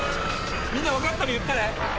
みんな分かったら言ってね。